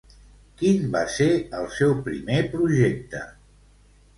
Quin va ser el seu primer projecte?